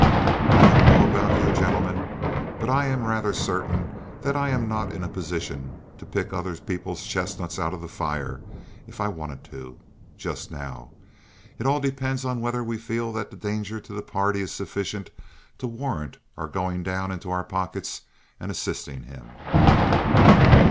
I don't know about you, gentlemen, but I am rather certain that I am not in a position to pick other people's chestnuts out of the fire if I wanted to, just now. It all depends on whether we feel that the danger to the party is sufficient to warrant our going down into our pockets and assisting him."